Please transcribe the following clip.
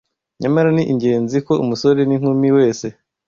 Nyamara ni ingenzi ko umusore n’inkumi wese